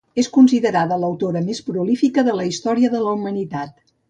És considerada l'autora més prolífica de la història de la humanitat.